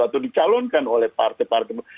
atau dicalonkan oleh partai partai